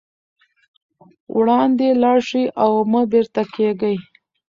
وړاندې لاړ شئ او مه بېرته کېږئ.